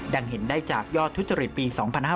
เห็นได้จากยอดทุจริตปี๒๕๕๙